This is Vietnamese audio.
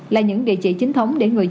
là những địa chỉ chính thống